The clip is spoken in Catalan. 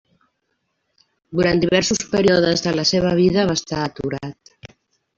Durant diversos períodes de la seva vida va estar aturat.